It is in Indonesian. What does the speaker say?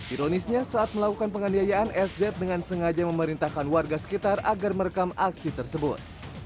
ironisnya saat melakukan penganiayaan sz dengan sengaja memerintahkan warga sekitar agar merekam aksi tersebut